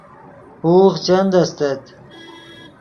ہوغ چند استت